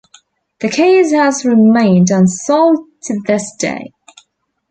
The case has remained unsolved to this day.